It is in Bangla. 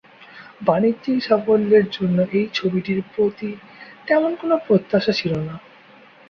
বাণিজ্যিক সাফল্যের জন্য এই ছবিটির প্রতি তেমন কোন প্রত্যাশা ছিলো না।